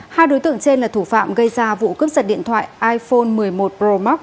hai đối tượng trên là thủ phạm gây ra vụ cướp giật điện thoại iphone một mươi một promoc